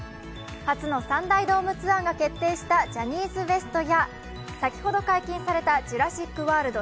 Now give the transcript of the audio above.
初の３大ドームツアーが決定したジャニーズＷＥＳＴや先ほど解禁された「ジュラシック・ワールド」